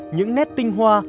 những nét tinh hoa